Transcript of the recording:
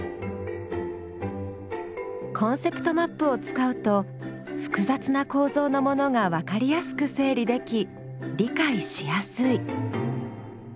コンセプトマップを使うと複雑な構造のものがわかりやすく整理でき理解しやすい。